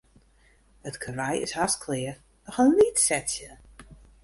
It karwei is hast klear, noch in lyts setsje.